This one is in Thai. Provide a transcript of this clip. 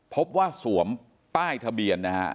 พบว่าสวมป้ายทะเบียนนะฮะ